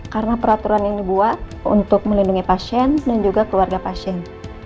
karena peraturan ini buat untuk melindungi pasien dan juga keluarga pasien